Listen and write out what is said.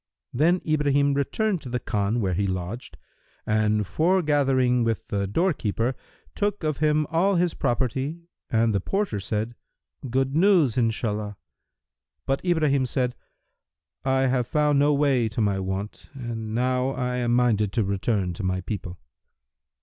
Then Ibrahim returned to the Khan where he lodged, and foregathering with the doorkeeper, took of him all his property and the porter said, "Good news, Inshallah!"[FN#333] But Ibrahim said, "I have found no way to my want, and now I am minded to return to my people."